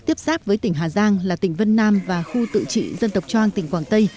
tiếp xác với tỉnh hà giang là tỉnh vân nam và khu tự trị dân tộc choang tỉnh quảng tây